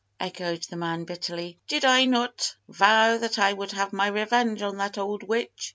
echoed the man, bitterly. "Did I not vow that I would have my revenge on that old witch?